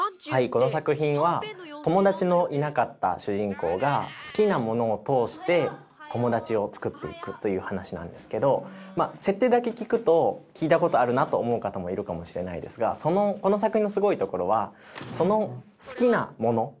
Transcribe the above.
この作品は友達のいなかった主人公が好きなものを通して友達をつくっていくという話なんですけど設定だけ聞くと聞いたことあるなと思う方もいるかもしれないですがこの作品のすごいところはその好きなもの